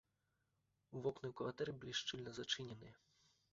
Вокны ў кватэры былі шчыльна зачыненыя.